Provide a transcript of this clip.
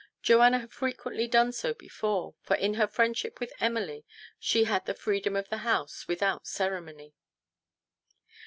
Joanna had frequently done so before, for in her friendship with Emily she had the freedom of the house without cere mony.